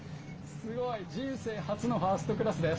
すごい、人生初のファーストクラスです。